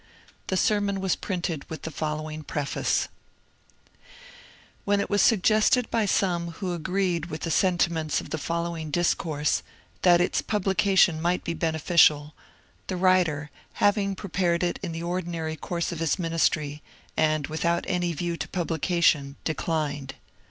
The sermon was printed with the following preface :— When it was suggested by some who agreed with the senti ments of the following discourse, that its publication might be beneficial, the writer, having prepared it in the ordinary course of his ministry, and without any view to publication, declined.